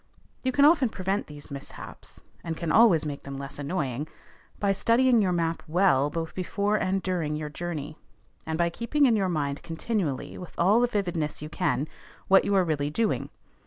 You can often prevent these mishaps, and can always make them less annoying, by studying your map well both before and during your journey; and by keeping in your mind continually, with all the vividness you can, what you are really doing.